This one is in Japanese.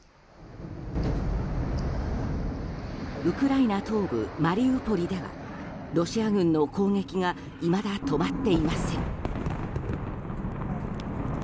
ウクライナ東部マリウポリではロシア軍の攻撃がいまだ止まっていません。